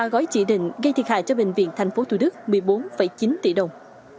ba mươi ba gói chỉ định gây thiệt hại cho bệnh viện tp hcm một mươi bốn chín tỷ đồng